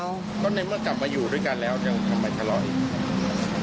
ก็ในเมื่อกลับมาอยู่ด้วยกันแล้วทำไมถล่ออีก